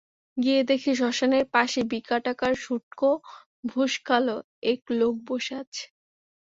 গিয়ে দেখি শ্মশানের পাশে বিকটাকার, শুঁটকো ভূষ-কালো একটা লোক বসে আছে।